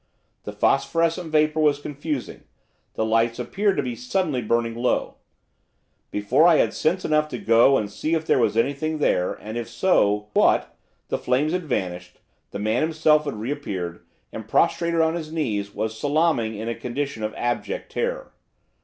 The phosphorescent vapour was confusing; the lights appeared to be suddenly burning low; before I had sense enough to go and see if there was anything there, and, if so, what, the flames had vanished, the man himself had reappeared, and, prostrated on his knees, was salaaming in a condition of abject terror.